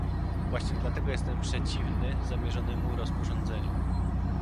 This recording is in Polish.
Właśnie dlatego jestem przeciwny zamierzonemu rozporządzeniu